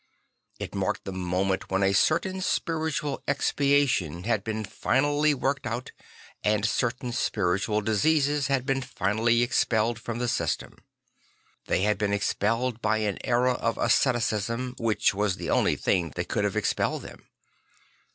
It marked the moment when a certain spiritual expiation had been finally worked out and certain spiritual diseases had been finally expelled from the system. They had been expelled by an era of asceticism, which was the onl y thing that could have expelled them.